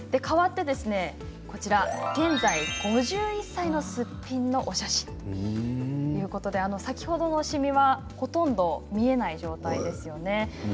かわって現在５１歳のすっぴんのお写真ということで先ほどのシミはほとんど見えない状態ですよね。